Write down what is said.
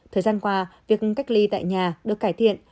thời gian qua việc cách ly tại nhà được cải thiện